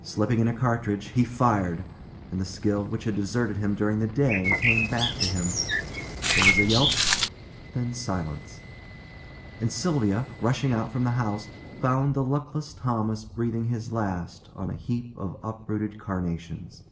Slipping in a cartridge, he fired; and the skill which had deserted him during the day came back to him. There was a yelp; then silence. And Sylvia, rushing out from the house, found the luckless Thomas breathing his last on a heap of uprooted carnations.